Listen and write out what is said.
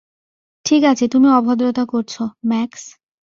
ঠিক আছে তুমি অভদ্রতা করছো, ম্যাক্স।